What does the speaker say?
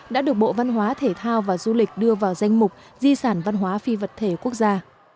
đã được bộ văn hóa thể thao và du lịch đưa vào danh mục di sản văn hóa phi vật thể quốc gia